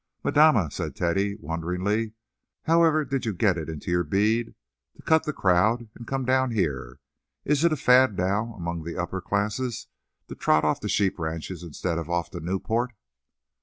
"Madama," said Teddy, wonderingly, "however did you get it into your head to cut the crowd and come down here? Is it a fad now among the upper classes to trot off to sheep ranches instead of to Newport?"